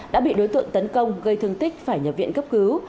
đã bị đối tượng tấn công gây thương tích phải nhập viện cấp cứu